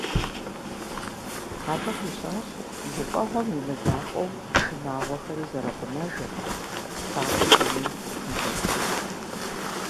Абы къищӀащ гуфӀэгъуэм и мызакъуэу шынагъуэхэри зэрыгъунэжыр, сакъыу дунейм тетын зэрыхуейр.